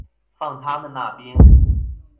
放他們那邊